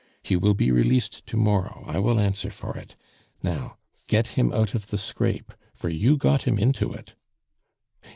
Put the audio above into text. He will be released to morrow; I will answer for it. Now, get him out of the scrape, for you got him into it."